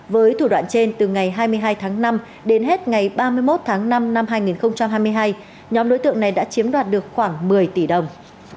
với thủ đoạn trên từ ngày hai mươi hai tháng năm đến hết ngày ba mươi một tháng năm năm hai nghìn hai mươi hai nhóm đối tượng này đã chiếm đoạt được khoảng một mươi tỷ đồng